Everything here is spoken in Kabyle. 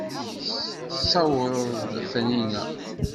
Tessewɛed-d Taninna.